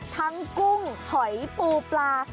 กุ้งหอยปูปลา